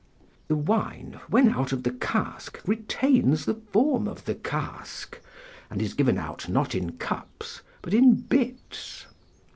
["The wine when out of the cask retains the form of the cask; and is given out not in cups, but in bits."